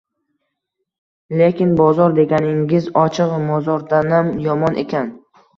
Lekin bozor deganingiz ochiq mozordanam yomon ekan